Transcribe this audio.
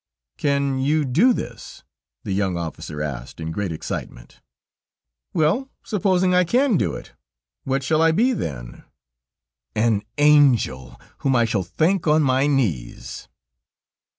"Can you do this?" the young officer asked, in great excitement. "Well, supposing I can do it, what shall I be then?" "An angel, whom I shall thank on my knees."